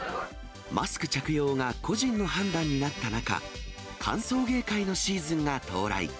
マスク着用が個人の判断になった中、歓送迎会のシーズンが到来。